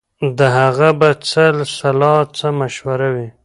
د هغه به څه سلا څه مشوره وي